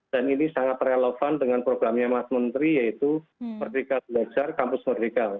dan ini sangat relevan dengan programnya mas menteri yaitu merdeka belajar kampus merdeka